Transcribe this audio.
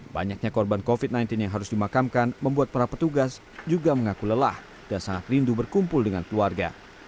banyaknya korban covid sembilan belas yang harus dimakamkan membuat para petugas juga mengaku lelah dan sangat rindu berkumpul dengan keluarga